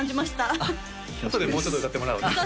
あとでもうちょっと歌ってもらおうね